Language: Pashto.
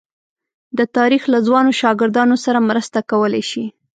د تاریخ له ځوانو شاګردانو سره مرسته کولای شي.